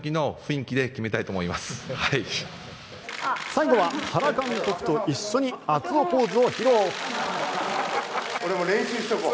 最後は原監督と一緒に熱男ポーズを披露。